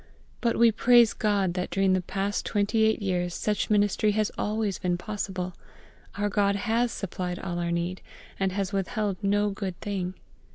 But we praise GOD that during the past twenty eight years such ministry has always been possible; our GOD has supplied all our need, and has withheld no good thing.